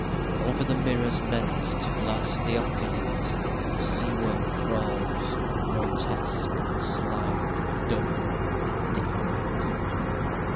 III Over the mirrors meant To glass the opulent The sea worm crawls grotesque, slimed, dumb, indifferent.